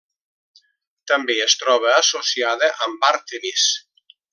També es troba associada amb Àrtemis.